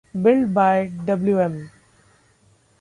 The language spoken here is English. Built by Wm.